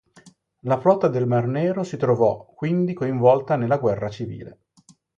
La Flotta del Mar Nero si trovò quindi coinvolta nella guerra civile.